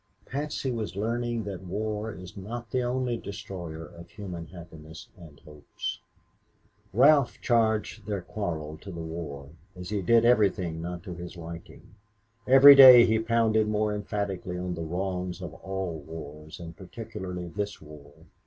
Patsy was learning that war is not the only destroyer of human happiness and hopes. Ralph charged their quarrel to the war, as he did everything not to his liking. Every day he pounded more emphatically on the wrong of all wars and particularly this war.